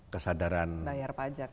kesadaran bayar pajak